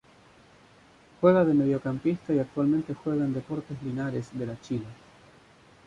Juega de mediocampista y actualmente juega en Deportes Linares de la Chile.